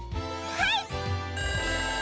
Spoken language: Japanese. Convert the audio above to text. はい！